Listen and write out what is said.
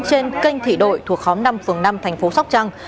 trên kênh thị đội thuộc khóm năm phường năm thành phố sóc trăng